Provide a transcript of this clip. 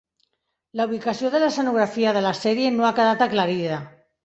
La ubicació de l'escenografia de la sèrie no ha quedat aclarida.